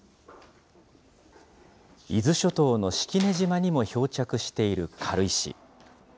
伊豆諸島の式根島にも漂着している軽石。